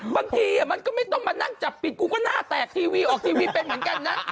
บางทีมันก็ไม่ต้องมานั่งจับปิดกูก็หน้าแตกทีวีออกทีวีเป็นเหมือนกันนะ